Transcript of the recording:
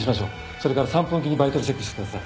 それから３分おきにバイタルチェックしてください。